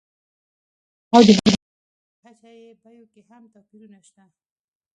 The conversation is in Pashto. او د هېوادونو په کچه یې بیو کې هم توپیرونه شته.